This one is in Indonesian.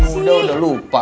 masih muda udah lupa